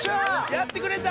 やってくれた。